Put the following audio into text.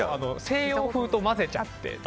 西洋風と混ぜちゃって。